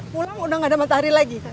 pulang udah gak ada matahari lagi